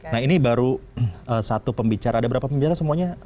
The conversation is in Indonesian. nah ini baru satu pembicara ada berapa pembicara semuanya